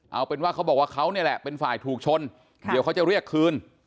เอาเป็นว่าเขาบอกว่าเขานี่แหละเป็นฝ่ายถูกชนเดี๋ยวเขาจะเรียกคืน